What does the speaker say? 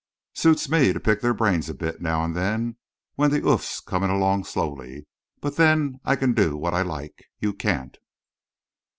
Suits me to pick their brains a bit, now and then, when the oof's coming along slowly, but then I can do what I like you can't."